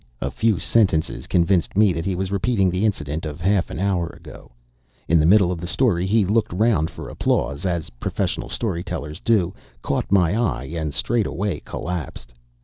A few sentences convinced me that he was repeating the incident of half an hour ago. In the middle of the story he looked round for applause, as professional story tellers do, caught my eye, and straightway collapsed.